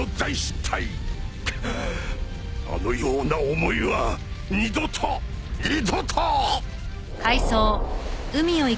あのような思いは二度と二度と！